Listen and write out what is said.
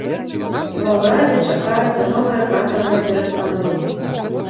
Ва ўрадзе чакаюцца новыя кадравыя перастаноўкі.